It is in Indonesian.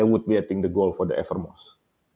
itu adalah tujuan saya untuk evermost